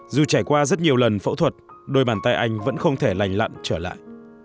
dù trải qua rất nhiều lần phẫu thuật đôi bàn tay anh vẫn không thể lành lặn trở lại